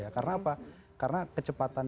karena apa karena kecepatan